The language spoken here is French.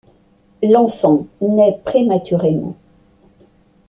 L’enfant nait prématurément.